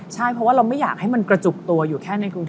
ใช่เพราะว่าเราไม่อยากให้มันกระจุกตัวอยู่แค่ในกรุงเทพ